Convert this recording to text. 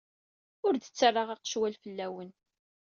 Ur d-ttarraɣ aqecwal fell-awen.